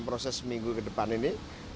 proses seminggu ke depan ini